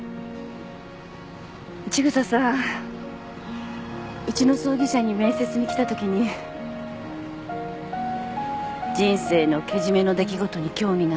千草さんうちの葬儀社に面接に来たときに「人生のけじめの出来事に興味がある」